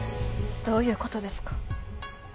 どういうことですか？